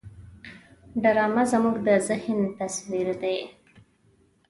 ډرامه زموږ د ذهن تصویر دی